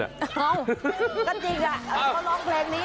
อ้าวก็จริงอาท้องเขาร้องเพลงนี้